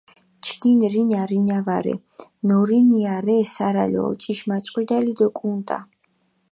ჩქინ რინა, რინა ვარე, ნორინია რე სარალო, ოჭიშმაჭყვიდალი დო კუნტა.